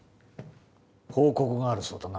報告があるそうだな